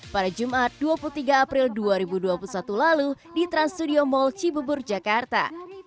pada jumat dua puluh tiga april dua ribu dua puluh satu lalu di trans studio mall cibubur jakarta